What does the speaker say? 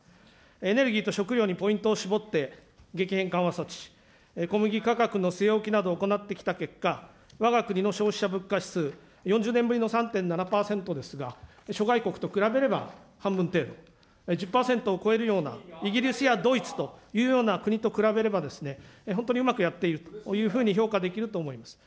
エネルギーと食料にポイントを絞って、激変緩和措置、小麦価格の据え置きなどを行ってきた結果、わが国の消費者物価指数、４０年ぶりの３．７％ですが、諸外国と比べれば半分程度、１０％を超えるようなイギリスやドイツというような国と比べればですね、本当にうまくやっているというふうに評価できると思います。